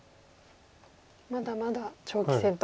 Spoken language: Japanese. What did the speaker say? まだまだ長期戦と。